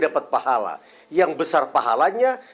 dapat pahala yang besar pahalanya